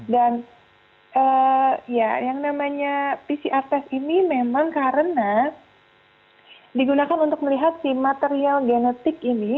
dan yang namanya pcr test ini memang karena digunakan untuk melihat si material genetik ini